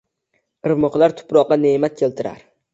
Irmoqlar tuproqqa ne’mat keltirar